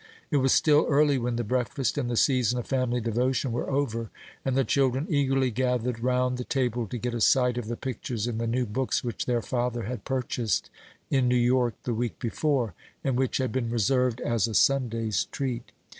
It was still early when the breakfast and the season of family devotion were over, and the children eagerly gathered round the table to get a sight of the pictures in the new books which their father had purchased in New York the week before, and which had been reserved as a Sunday's treat.